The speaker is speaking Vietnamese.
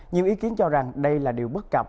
nhiều ý kiến cho rằng đây là điều bất cập